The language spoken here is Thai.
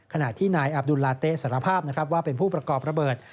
ขณะที่นายอับดุลลาเต๊สารภาพนะครับว่าเป็นผู้ประกอบระเบิด